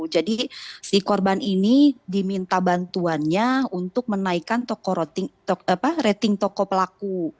jadi si korban ini diminta bantuannya untuk menaikkan rating toko pelaku